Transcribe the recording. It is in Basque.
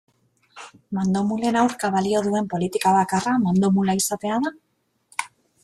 Mandomulen aurka balio duen politika bakarra mandomula izatea da?